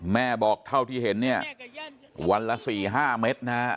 แม่บอกเท่าที่เห็นเนี่ยวันละ๔๕เมตรนะฮะ